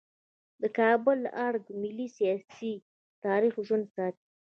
د کابل ارګ د ملت سیاسي تاریخ ژوندی ساتي.